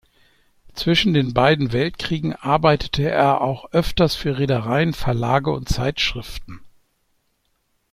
Zwischen den beiden Weltkriegen arbeitete er auch öfters für Reedereien, Verlage und Zeitschriften.